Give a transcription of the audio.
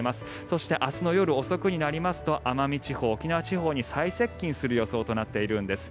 そして明日の夜遅くになりますと奄美地方、沖縄地方に最接近する予想となっているんです。